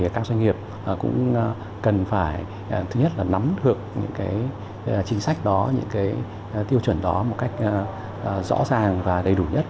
các doanh nghiệp cũng cần phải nắm được những tiêu chuẩn đó một cách rõ ràng và đầy đủ nhất